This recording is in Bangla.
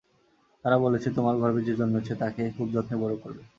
তারা বলেছে, তোমার গর্ভে যে জন্মেছে, তাকে খুব যত্নে বড় করবে।